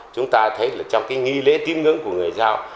chúng ta thấy trong cái nghi lễ tiêm ngưỡng của người giao